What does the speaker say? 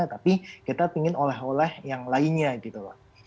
tapi kita ingin oleh oleh yang lainnya gitu pak